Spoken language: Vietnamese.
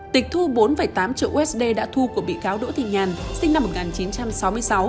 tịch thu bốn tám triệu usd đã thu của bị cáo đỗ thị nhàn sinh năm một nghìn chín trăm sáu mươi sáu